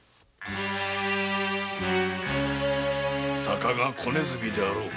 たかが小ネズミであろう。